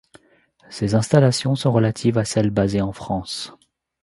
Ces installations sont relatives à celles basées en France.